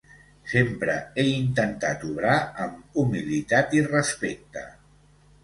Sempre he intentat obrar amb humilitat i respecte.